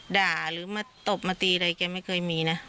หรือมาตบมาตีอะไรแกไม่เคยมีนะ